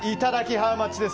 ハウマッチです。